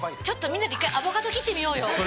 ちょっとみんなで一回アボカド切ってみようよ。